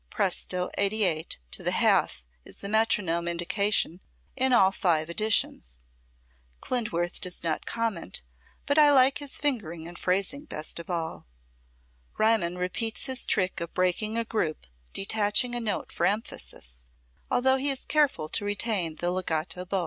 Presto 88 to the half is the metronome indication in all five editions. Klindworth does not comment, but I like his fingering and phrasing best of all. Riemann repeats his trick of breaking a group, detaching a note for emphasis; although he is careful to retain the legato bow.